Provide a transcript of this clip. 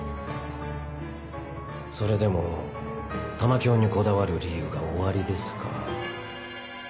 それでも玉響にこだわる理由がおありですか？